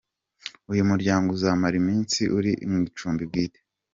Uyu muryango uzamara iminsi uri mu icumbi bwite.